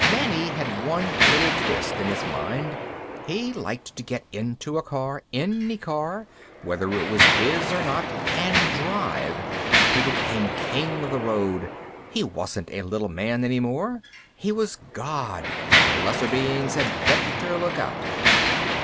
"Manny had one little twist, in his mind. He liked to get into a car any car, whether it was his or not and drive. He became king of the road. He wasn't a little man any more. He was God, and lesser beings had better look out.